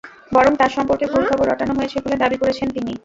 বরং তাঁর সম্পর্কে ভুল খবর রটানো হয়েছে বলে দাবি করেছেন তিনি।